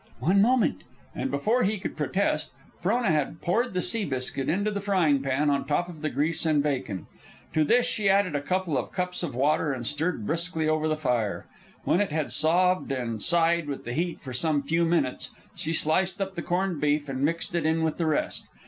"One moment " And before he could protest, Frona had poured the sea biscuit into the frying pan on top of the grease and bacon. To this she added a couple of cups of water and stirred briskly over the fire. When it had sobbed and sighed with the heat for some few minutes, she sliced up the corned beef and mixed it in with the rest.